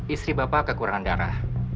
istri bapak kekurangan darah